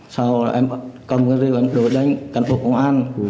sau đó em cầm rượu đuổi đến cán bộ công an